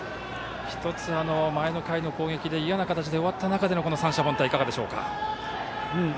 １つ前の回の攻撃で、嫌な形で終わった中での三者凡退いかがでしょうか。